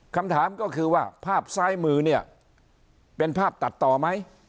คำถามก็คือว่าภาพซ้ายมือเนี่ยเป็นภาพตัดต่อไหม